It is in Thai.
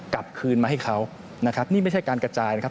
กลับคืนมาให้เขานะครับนี่ไม่ใช่การกระจายนะครับ